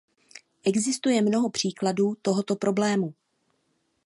Existuje mnoho příkladů tohoto problému.